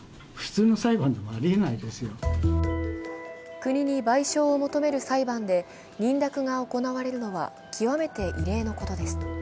国に賠償を求める裁判で認諾が行われるのは極めて異例のことです。